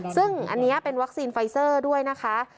ซึ่งอันนี้เป็นวัคซีนไฟเซอร์ด้วยนะคะ